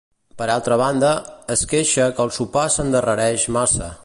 Per altra banda, es queixa que el sopar s'endarrereix massa.